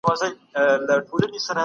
حکومت باید د خلګو په خدمت کي وي.